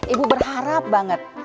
ibu berharap banget